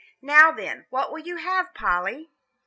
"Now, then, what will you have, Polly?"